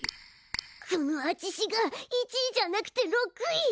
このあちしが１位じゃなくて６位。